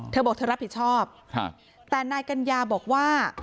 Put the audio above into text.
เธอบอกเธอรับผิดชอบแต่นายกัญญาบอกว่า